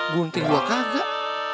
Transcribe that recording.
gunting juga kagak